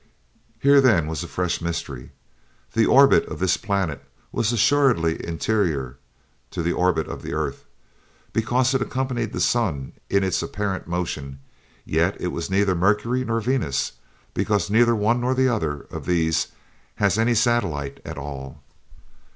Here, then, was a fresh mystery. The orbit of this planet was assuredly interior to the orbit of the earth, because it accompanied the sun in its apparent motion; yet it was neither Mercury nor Venus, because neither one nor the other of these has any satellite at all.